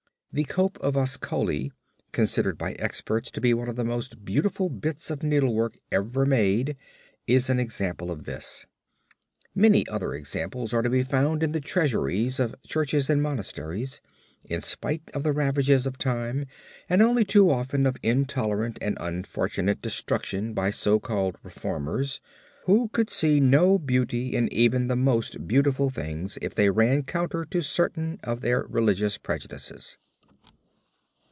The Cope of Ascoli considered by experts to be one of the most beautiful bits of needlework ever made is an example of this. Many other examples are to be found in the treasuries of churches and monasteries, in spite of the ravages of time and only too often of intolerant and unfortunate destruction by so called reformers, who could see no beauty in even the most beautiful things if they ran counter to certain of their religious prejudices.